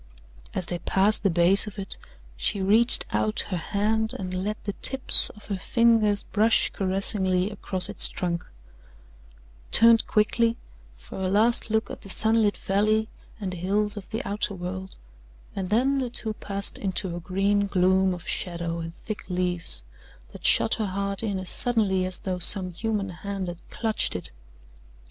As they passed the base of it, she reached out her hand and let the tips of her fingers brush caressingly across its trunk, turned quickly for a last look at the sunlit valley and the hills of the outer world and then the two passed into a green gloom of shadow and thick leaves that shut her heart in as suddenly as though some human hand had clutched it.